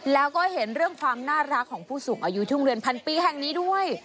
แล้วก็เห็นเรื่องความน่ารักของผู้สูงอายุทุ่งเรือนพันปีแห่งนี้ด้วย